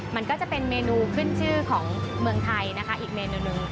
มันก็จะเป็นเมนูขึ้นชื่อของเมืองไทยนะคะอีกเมนูหนึ่ง